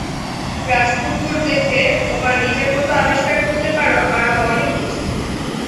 রাজপুত্তুর দেখে তোমার নিজের মতো আবিষ্কার করতে পারো আরও অনেক কিছু।